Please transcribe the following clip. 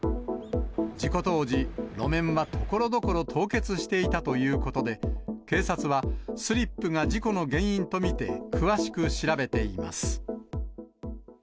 事故当時、路面はところどころ凍結していたということで、警察は、スリップが事故の原因と見て、詳しく調べています。